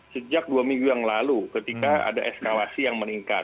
sejak dua minggu yang lalu ketika ada eskalasi yang meningkat